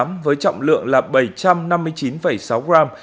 mật gấu có trọng lượng là bảy trăm năm mươi chín sáu gram